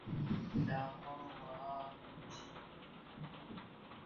电动车是指使用电动机或牵引电动机推动而在路面上行驶的电动载具。